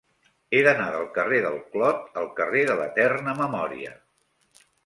He d'anar del carrer del Clot al carrer de l'Eterna Memòria.